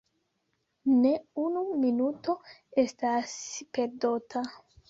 Ne unu minuto estas perdota.